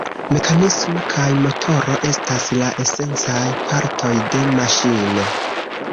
Mekanismo kaj motoro estas la esencaj partoj de maŝino.